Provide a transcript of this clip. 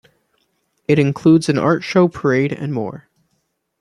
It includes an art show, parade, and more.